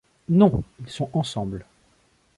Non, ils sont “ensemble” ».